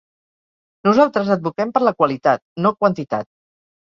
Nosaltres advoquem per la qualitat, no quantitat.